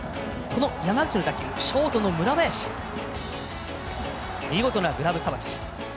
山口の打球、ショートの村林見事なグラブさばき。